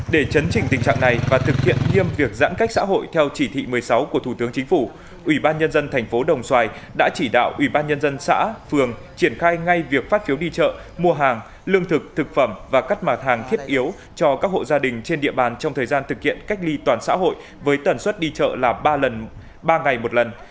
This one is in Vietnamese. để chấn trình tình trạng này và thực hiện nghiêm việc giãn cách xã hội theo chỉ thị một mươi sáu của thủ tướng chính phủ ubnd tp đồng xoài đã chỉ đạo ubnd xã phường triển khai ngay việc phát phiếu đi chợ mua hàng lương thực thực phẩm và cắt mặt hàng thiết yếu cho các hộ gia đình trên địa bàn trong thời gian thực hiện cách ly toàn xã hội với tần suất đi chợ là ba ngày một lần